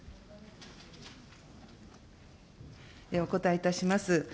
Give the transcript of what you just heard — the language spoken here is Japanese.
お答えいたします。